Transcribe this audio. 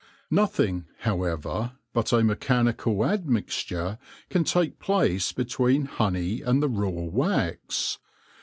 Nothing, however, but a mechanical admixture can take place between honey and the raw wax.